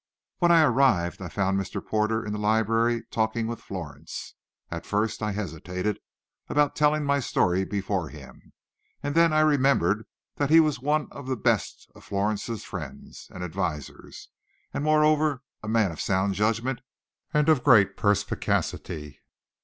When I arrived, I found Mr. Porter in the library talking with Florence. At first I hesitated about telling my story before him, and then I remembered that he was one of the best of Florence's friends and advisers, and moreover a man of sound judgment and great perspicacity.